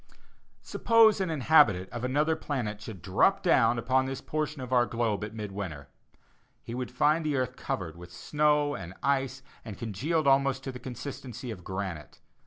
Suppose an inhabitant of another planet should drop down upon this portion of our globe at mid winter. He would find the earth covered with snow and ice and congealed almost to the consistency of granite.